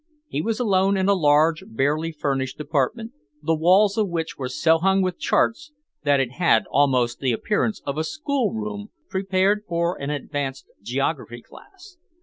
He was alone in a large, barely furnished apartment, the walls of which were so hung with charts that it had almost the appearance of a schoolroom prepared for an advanced geography class.